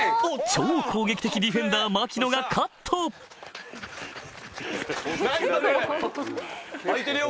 超攻撃的ディフェンダー槙野がカットナイスだぜ空いてるよ